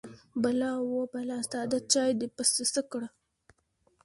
_بلا ، وه بلا! ساده چاې دې پسې څه کړ؟